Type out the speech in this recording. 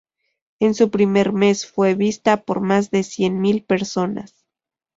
En su primer mes fue vista por más de cien mil personas.